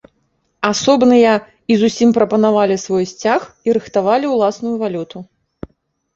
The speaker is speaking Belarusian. Асобныя і зусім прапанавалі свой сцяг і рыхтавалі ўласную валюту.